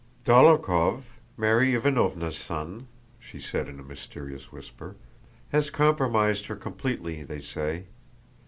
"Dólokhov, Mary Ivánovna's son," she said in a mysterious whisper, "has compromised her completely, they say.